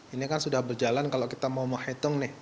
ini kan sudah berjalan kalau kita mau menghitung nih